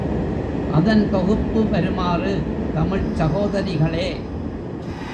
அதன் தொகுப்பு வருமாறு தமிழ்ச் சகோதரிகளே!